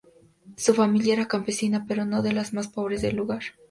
Su familia era campesina, pero no de las más pobres del lugar.